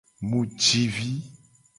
Mu ji vi.